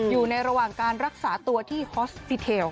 อยู่ในระหว่างการรักษาตัวที่ฮอสปิเทล